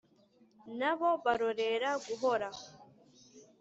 Na bo barorera guhora,